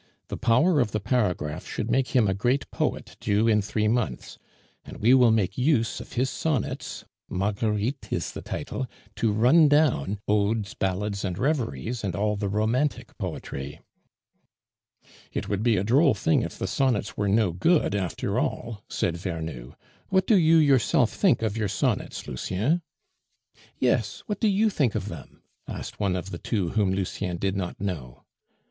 The power of the paragraph should make him a great poet due in three months; and we will make use of his sonnets (Marguerites is the title) to run down odes, ballads, and reveries, and all the Romantic poetry." "It would be a droll thing if the sonnets were no good after all," said Vernou. "What do you yourself think of your sonnets, Lucien?" "Yes, what do you think of them?" asked one of the two whom Lucien did not know.